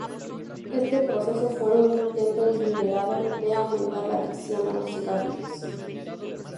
Este proceso fue un intento deliberado de aumentar la adicción a los cigarrillos.